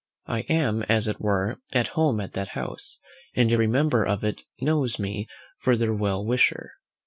I am, as it were, at home at that house, and every member of it knows me for their well wisher.